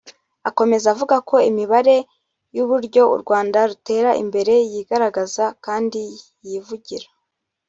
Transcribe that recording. Akomeza avuga ko imibare y’uburyo u Rwanda rutera imbere yigaragaza kandi yivugira